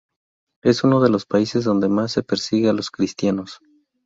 Es uno de los países donde más se persigue a los cristianos.